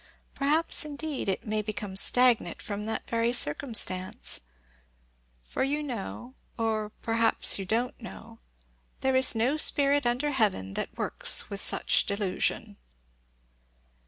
Perhaps, indeed, it may become stagnate from that very circumstance; for you know, or perhaps you don't know, 'there is no spirit under heaven that works with such delusion.'"